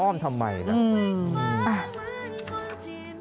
อ้อมทำไมล่ะ